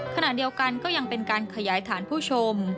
ขณะเดียวกันก็ยังเป็นการขยายฐานผู้ชม